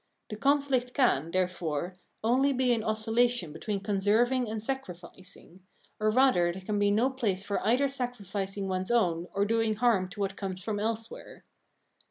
The conflict can, therefore, only be an oscillation between conserving and sacrificing ; or rather there can be no place for either sacrificing one's own or doing harm to what comes from elsewhere.